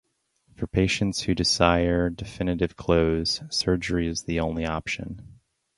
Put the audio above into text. For patients who desire definitive close, surgery is the only option.